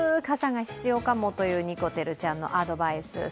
傘が必要かもというにこてるちゃんのアドバイス。